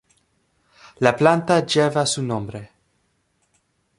La planta lleva su nombre.